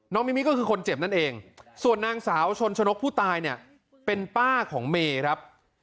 มิมี่ก็คือคนเจ็บนั่นเองส่วนนางสาวชนชนกผู้ตายเนี่ยเป็นป้าของเมย์ครับ